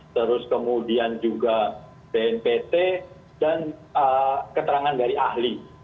terus kemudian juga bnpt dan keterangan dari ahli